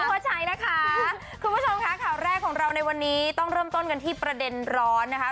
เข้าใจนะคะคุณผู้ชมค่ะข่าวแรกของเราในวันนี้ต้องเริ่มต้นกันที่ประเด็นร้อนนะคะ